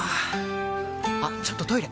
あっちょっとトイレ！